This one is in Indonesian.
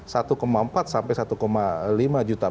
satu empat sampai satu lima juta